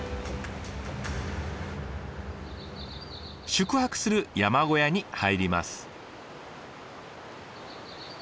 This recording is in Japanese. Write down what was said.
宿泊する山小屋に入ります。